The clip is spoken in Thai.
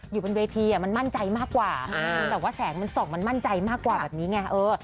อยู่บนเวทีมันมั่นใจมากกว่ามันแบบว่าแสงมันส่องมันมั่นใจมากกว่าแบบนี้ไง